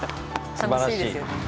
すばらしい。